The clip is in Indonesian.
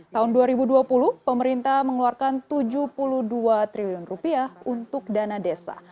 tahun dua ribu dua puluh pemerintah mengeluarkan rp tujuh puluh dua triliun untuk dana desa